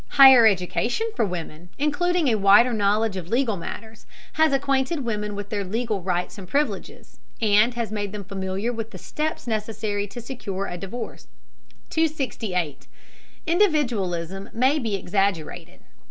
Higher education for women, including a wider knowledge of legal matters, has acquainted women with their legal rights and privileges, and has made them familiar with the steps necessary to secure a divorce. 268. INDIVIDUALISM MAY BE EXAGGERATED.